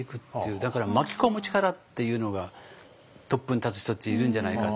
だから巻き込む力っていうのがトップに立つ人っているんじゃないかって。